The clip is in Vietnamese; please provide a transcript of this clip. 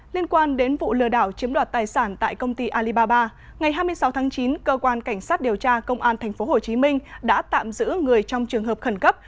liên quan đến vụ lừa đảo chiếm đoạt tài sản tại công ty alibaba ngày hai mươi sáu tháng chín cơ quan cảnh sát điều tra công an tp hcm đã tạm giữ người trong trường hợp khẩn cấp